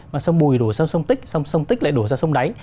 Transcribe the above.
mà sông bùi đổ sang sông tích sông tích lại đổ sang sông đáy